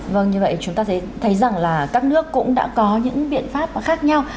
vâng như vậy chúng ta thấy rằng là các nước cũng đã có những biện pháp khác nhau